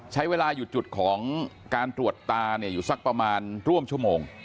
ใช้เวลาอยู่จุดของการตรวจตาอยู่สักประมาณร่วมชั่วโมง